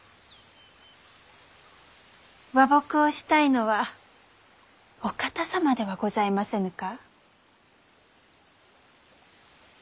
和睦をしたいのはお方様ではございませぬか？